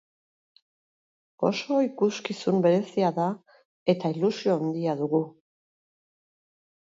Oso ikuskizun berezia da eta ilusio handia dugu.